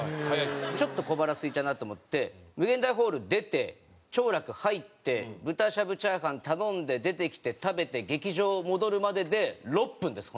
ちょっと小腹すいたなと思って∞ホール出て兆楽入って豚シャブチャーハン頼んで出てきて食べて劇場戻るまでで６分です